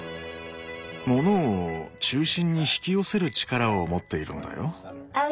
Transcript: モノを中心に引き寄せる力を持っているんだよ。